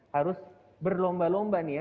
harus berlomba lomba nih ya